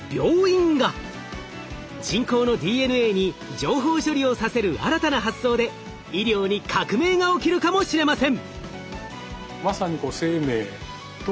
人工のＤＮＡに情報処理をさせる新たな発想で医療に革命が起きるかもしれません。